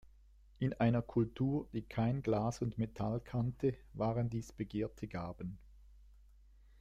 In einer Kultur, die kein Glas und Metall kannte, waren dies begehrte Gaben.